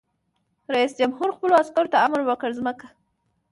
رئیس جمهور خپلو عسکرو ته امر وکړ؛ ځمکه!